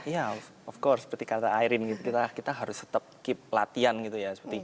ya of course seperti kata ayrin gitu kita harus tetap keep latihan gitu ya